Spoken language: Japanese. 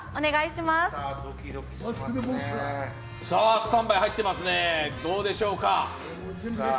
スタンバイ、入ってますねどうでしょうか。